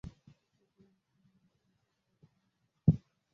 এর পরিবর্তে, নিয়মিত বিরতিতে জল পান করা উচিত।